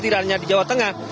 tidak hanya di jawa tengah